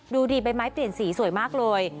ดูดิใบไม้เปลี่ยนสีสวยมากเลย